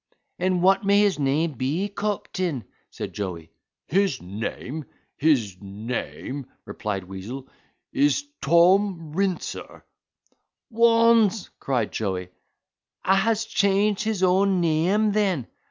"And what may his name be, coptain?" said Joey. "His name!—his name," replied Weazel, "is Tom Rinser." "Waunds," cried Joey, "a has changed his own neame then!